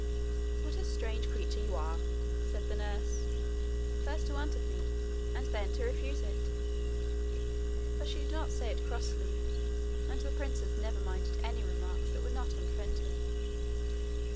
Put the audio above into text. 'What a strange creature you are,' said the nurse 'first to want a thing and then to refuse it!' But she did not say it crossly, and the princess never minded any remarks that were not unfriendly.